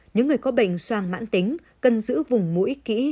những người có bệnh soang mãn tính cần giữ vùng mũi kỹ